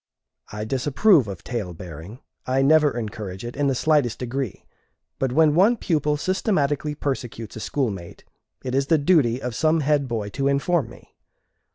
I disapprove of tale bearing, I never encourage it in the slightest degree; but when one pupil systematically persecutes a schoolmate, it is the duty of some head boy to inform me.